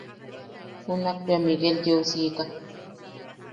Junak bea Miguel yeusiika.